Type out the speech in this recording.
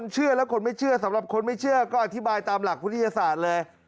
เชื่อแล้วคนไม่เชื่อสำหรับคนไม่เชื่อก็อธิบายตามหลักวิทยาศาสตร์เลย